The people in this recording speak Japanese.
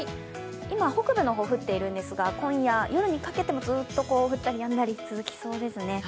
今、北部の方、降っているんですが、今夜、ずっと降ったりやんだり続きそうですね。